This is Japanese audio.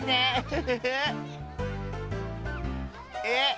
え？